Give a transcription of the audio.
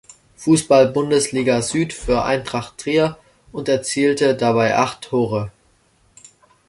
Fußball-Bundesliga Süd für Eintracht Trier und erzielte dabei acht Tore.